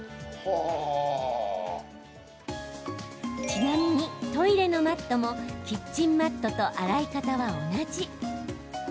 ちなみに、トイレのマットもキッチンマットと洗い方は同じ。